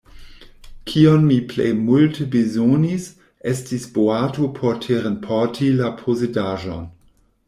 Kion mi plej multe bezonis, estis boato por terenporti la posedaĵon.